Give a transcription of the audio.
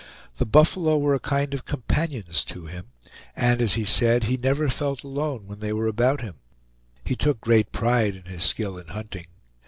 The buffalo were a kind of companions to him, and, as he said, he never felt alone when they were about him. He took great pride in his skill in hunting.